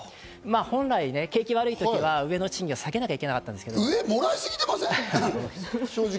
本来景気が悪い時に上を下げなきゃいけなかったんですけど、上、もらいすぎてません？